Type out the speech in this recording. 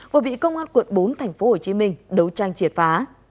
vừa bị công an quận bốn tp hcm đấu tranh triệt phá